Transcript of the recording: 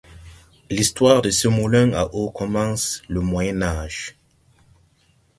L'histoire de ces moulins à eau commence le Moyen Âge.